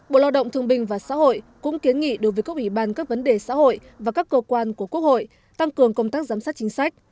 bộ lao động thương binh và xã hội cũng kiến nghị đối với các ủy ban các vấn đề xã hội và các cơ quan của quốc hội tăng cường công tác giám sát chính sách